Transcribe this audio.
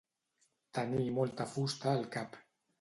Tenir molta fusta al cap.